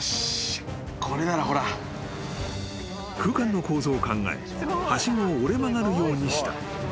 ［空間の構造を考えはしごを折れ曲がるようにした］